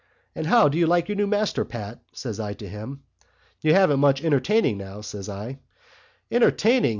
'And how do you like your new master, Pat?' says I to him. 'You haven't much entertaining now,' says I. 'Entertaining!